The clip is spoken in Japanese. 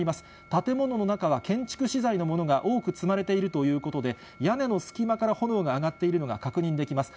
建物の中は建築資材のものが多く積まれているということで、屋根の隙間から炎が上がっているのが確認できます。